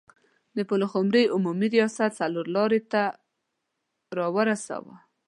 د پلخمري عمومي څلور لارې ته راورسوه.